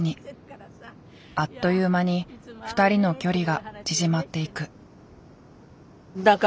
あっという間に２人の距離が縮まっていく。